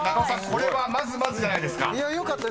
これはまずまずじゃないですか］